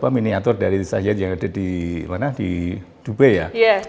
miniatur dari saja yang ada di dubai ya